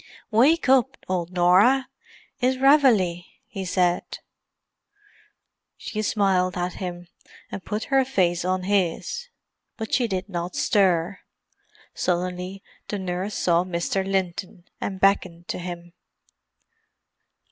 "Wake up, old Norah—it's Reveille!" he said. She smiled at him, and put her face on his, but she did not stir. Suddenly the nurse saw Mr. Linton, and beckoned to him.